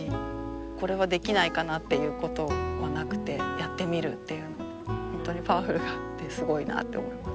これはできないかなっていうことはなくてやってみるっていう本当にパワフルだ！ってすごいなあって思います。